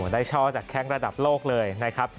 ช่อจากแข้งระดับโลกเลยนะครับ